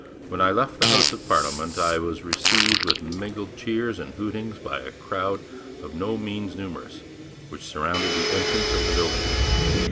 'When I left the House of Parliament, I was received with mingled cheers and hootings by a crowd by no means numerous, which surrounded the entrance of the building.